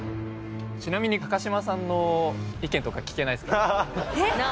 ちなみに高嶋さんの意見とか聞けないですか？